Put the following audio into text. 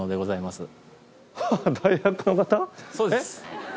そうです。